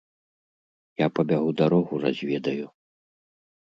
Я пабягу дарогу разведаю.